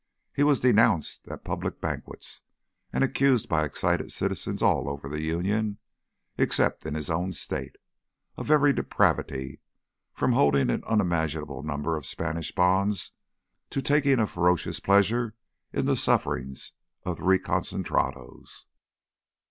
He was denounced at public banquets and accused by excited citizens all over the Union, except in his own State, of every depravity, from holding an unimaginable number of Spanish bonds to taking a ferocious pleasure in the sufferings of the reconcentrados.